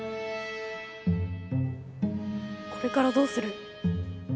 これからどうする？